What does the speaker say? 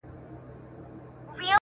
په یوه کلي کي له ښاره څخه لیري لیري،